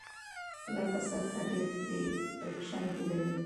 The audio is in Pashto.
کلکه سطحه ډېر فریکشن جوړوي.